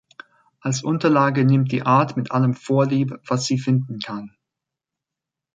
Als Unterlage nimmt die Art mit allem Vorlieb, was sie finden kann.